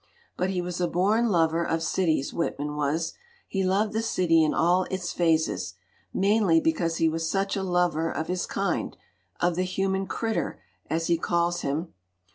"But he was a born lover of cities, Whitman was. He loved the city in all its phases, mainly because he was such a lover of his kind, of the 'human critter/ as he calls him.